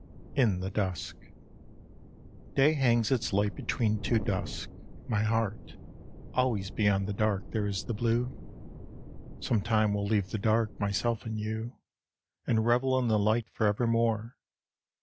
IN THE DUSK Day hangs its light between two dusks, my heart, Always beyond the dark there is the blue. Sometime we'll leave the dark, myself and you, And revel in the light for evermore.